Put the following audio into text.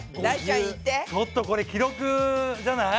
ちょっとこれ記録じゃない？